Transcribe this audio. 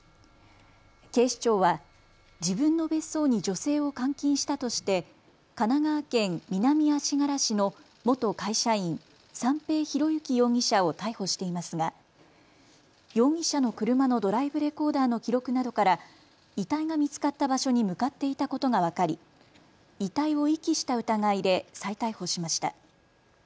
警視庁は自分の別荘に女性を監禁したとして神奈川県南足柄市の元会社員、三瓶博幸容疑者を逮捕していますが容疑者の車のドライブレコーダーの記録などから遺体が見つかった場所に向かっていたことが分かり遺体を遺棄した疑いで再逮捕しました。